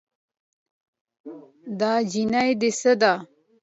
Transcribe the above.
دا نجلۍ دې څه ده؟